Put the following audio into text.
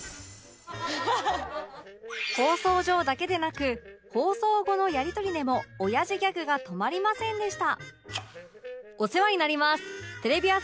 放送上だけでなく放送後のやりとりでも親父ギャグが止まりませんでした